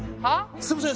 すみません